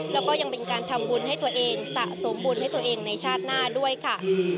แล้วก็ยังเป็นการทำบุญให้ตัวเองสะสมบุญให้ตัวเองในชาติหน้าด้วยค่ะ